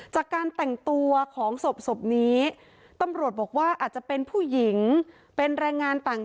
จากการแต่งตัวของศพนี้ตำรวจบอกว่าอาจจะเป็นผู้หญิงเป็นแรงงานต่าง